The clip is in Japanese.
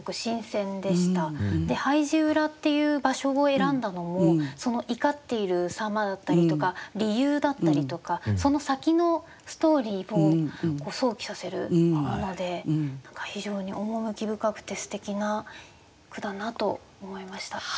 で廃寺裏っていう場所を選んだのもその怒っている様だったりとか理由だったりとかその先のストーリーを想起させるもので何か非常に趣深くてすてきな句だなと思いました。